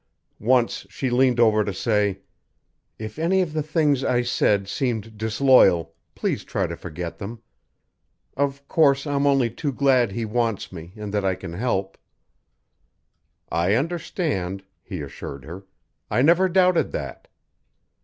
Once she leaned over to say: "If any of the things I said seemed disloyal, please try to forget them. Of course, I'm only too glad he wants me, and that I can help." "I understand," he assured her. "I never doubted that."